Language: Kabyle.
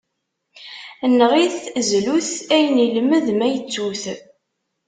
Neɣ-it, zlu-t, ayen ilmed, ma ittu-t.